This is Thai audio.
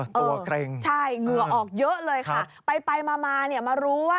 ตัวเกร็งใช่เหงื่อออกเยอะเลยค่ะไปมามารู้ว่า